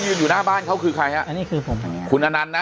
ยืนอยู่หน้าบ้านเขาคือใครอ่ะอันนี้คือผมคุณอันนั้นนะ